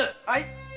はい？